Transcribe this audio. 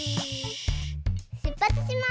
しゅっぱつします！